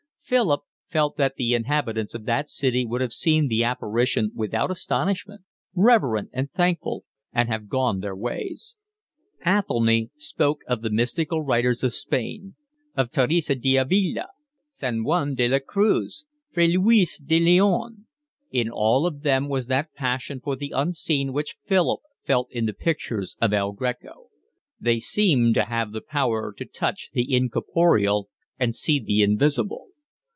Philip felt that the inhabitants of that city would have seen the apparition without astonishment, reverent and thankful, and have gone their ways. Athelny spoke of the mystical writers of Spain, of Teresa de Avila, San Juan de la Cruz, Fray Luis de Leon; in all of them was that passion for the unseen which Philip felt in the pictures of El Greco: they seemed to have the power to touch the incorporeal and see the invisible.